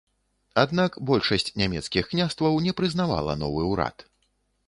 Аднак большасць нямецкіх княстваў не прызнавала новы ўрад.